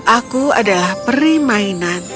aku adalah peri mainan